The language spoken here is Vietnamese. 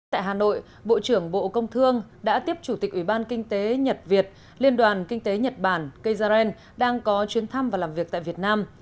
tại hà nội bộ trưởng bộ công thương đã tiếp chủ tịch ủy ban kinh tế nhật việt liên đoàn kinh tế nhật bản kyzarren đang có chuyến thăm và làm việc tại việt nam